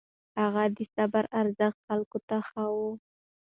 هغه د صبر ارزښت خلکو ته ښووه.